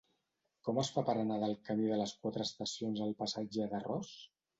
Com es fa per anar del camí de les Quatre Estacions al passatge de Ros?